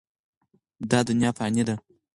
دا دنیا فاني ده.